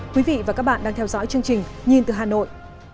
quý vị và các bạn đang theo dõi chương trình nhìn từ hà nội